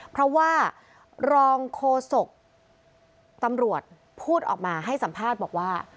เพราะว่ารองโฆษกตำรวจพูดออกมาให้สัมภาษณ์บอกว่า